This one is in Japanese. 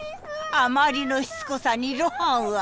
あまりのしつこさに露伴は。